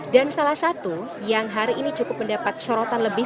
dan salah satu yang hari ini cukup mendapat sorotan lebih